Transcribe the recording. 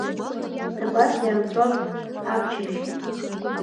Абас иаанҵәон амчыбжьгьы.